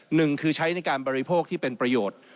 หนึ่งคือใช้ในการบริโภคที่เป็นประโยชน์